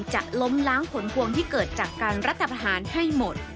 จะล้มล้างผลพวงที่เกิดจากการรัฐประหารให้หมด